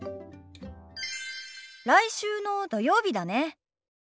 来週の土曜日だね。